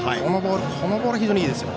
そのボールが非常にいいですよ。